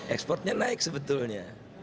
ekspornya naik sebetulnya